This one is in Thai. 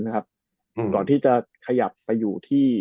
นะครับก่อนที่จะขยับไปอยู่ที่